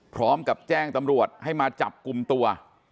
พร้อมกับแจ้งตำรวจให้มาจับกลุ่มตัว